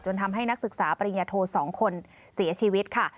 ทำให้นักศึกษาปริญญาโท๒คนเสียชีวิตค่ะ